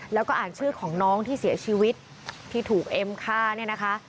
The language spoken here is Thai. แล้วก็อ่านชื่อของน้องที่เสียชีวิตที่ถูกเอ็มฆ่าเนี่ยนะคะ